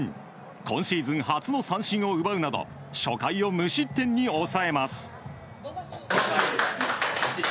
今シーズン初の三振を奪うなど初回を無失点に抑えます。